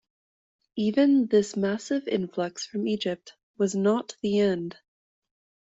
Even this massive influx from Egypt was not the end.